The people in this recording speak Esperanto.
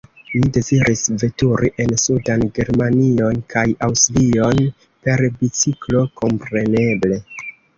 Mi deziris veturi en sudan Germanion kaj Aŭstrion, per biciklo, kompreneble.